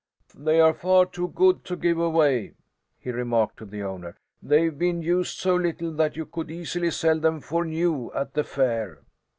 "They are far too good to give away," he remarked to the owner. "They've been used so little that you could easily sell them for new at the fair."